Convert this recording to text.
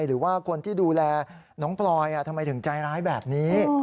หรือว่าคนที่ดูแลน้องพลอยทำไมถึงใจร้ายแบบนี้